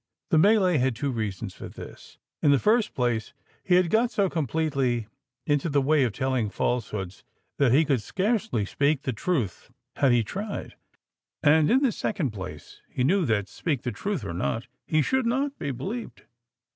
The Malay had two reasons for this. In the first place, he had got so completely into the way of telling falsehoods, that he could scarcely speak the truth had he tried; and in the second place, he knew that, speak the truth or not, he should not be believed.